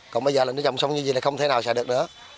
còn bây giờ nó trồng xong như vậy là không thể nào xài được nữa